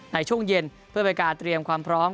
ในช่วงเย็นเพื่อเป็นการเตรียมความพร้อม